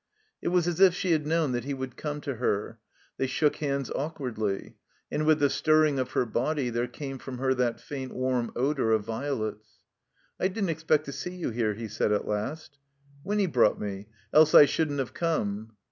It was as if she had known that he would come to her. They shook hands awkwardly. And with the stirring of her body there came from her that faint warm odor of violets. "I didn't expect to see you here," he said, at last. ''Winny brought me; else I shouldn't have come."